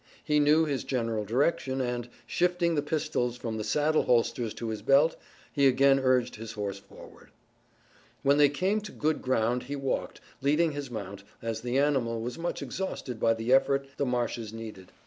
He knew his general direction and, shifting the pistols from the saddle holsters to his belt he again urged his horse forward. When they came to good ground he walked, leading his mount, as the animal was much exhausted by the effort the marshes needed.